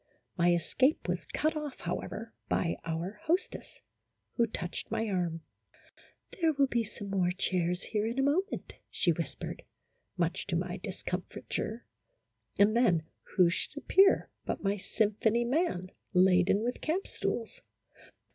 My escape was cut off, however, by our hostess, who touched my arm : "There will be some more chairs here in a mo ment," she whispered, much to my discomfiture, and then who should appear but my symphony man, laden with camp stools.